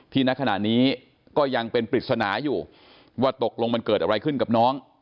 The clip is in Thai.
ณขณะนี้ก็ยังเป็นปริศนาอยู่ว่าตกลงมันเกิดอะไรขึ้นกับน้อง